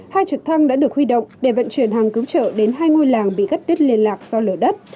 hai trực thăng đã được huy động để vận chuyển hàng cứu trợ đến hai ngôi làng bị gắt đứt liên lạc do lở đất